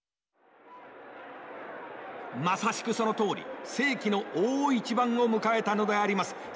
まさしくそのとおり世紀の大一番を迎えたのであります。